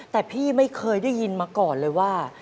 แต่พี่ไม่เคยได้ยินมาก่อนเลยว่า